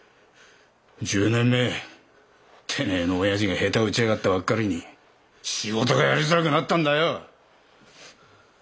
１０年前てめえのおやじが下手打ちやがったばっかりに仕事がやりづらくなったんだよ！